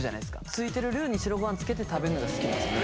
ついてるルーに白ごはんつけて食べんのが好きなんですよね。